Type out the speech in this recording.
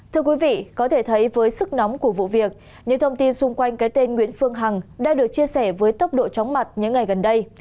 thưa quý vị có thể thấy với sức nóng của vụ việc những thông tin xung quanh cái tên nguyễn phương hằng đã được chia sẻ với tốc độ chóng mặt những ngày gần đây